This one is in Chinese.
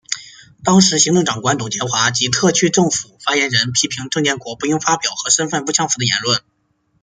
当时行政长官董建华及特区政府发言人批评郑安国不应发表和身份不相符的言论。